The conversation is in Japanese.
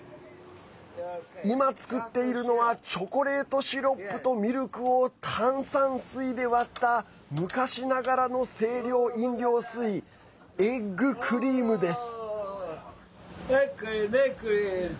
今作っているのはチョコレートシロップとミルクを炭酸水で割った昔ながらの清涼飲料水エッグクリームです。